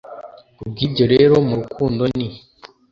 ku bw ibyo rero mu rukundo ni